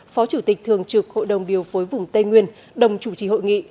phó chủ tịch thường trực hội đồng điều phối vùng tây nguyên đồng chủ trì hội nghị